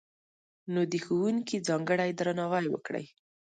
نو، د ښوونکي ځانګړی درناوی وکړئ!